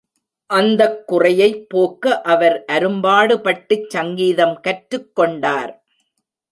அந்தக் குறையைப் போக்க அவர் அரும்பாடு பட்டுச் சங்கீதம் கற்றுக் கொண்டார்.